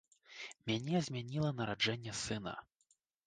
Мяне змяніла нараджэнне сына.